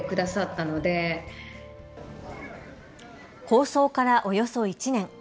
構想からおよそ１年。